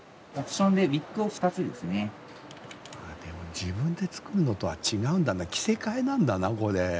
自分でつくるのとは違うんだな着せ替えなんだなこれ。